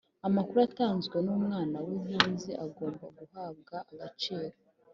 Amakuru atanzwe n umwana w impunzi agomba guhabwa agaciro